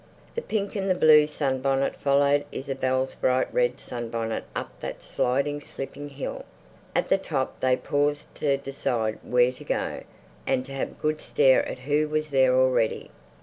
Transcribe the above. The pink and the blue sunbonnet followed Isabel's bright red sunbonnet up that sliding, slipping hill. At the top they paused to decide where to go and to have a good stare at who was there already.